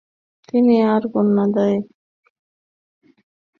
তিনি তার কন্যাদের পোলিশ ভাষা শিখিয়েছিলেন এবং তাদের পোল্যান্ডে নিয়েও গিয়েছিলেন।